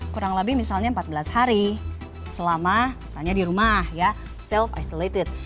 kurang lebih misalnya empat belas hari selama misalnya di rumah ya self isolated